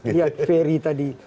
lihat ferry tadi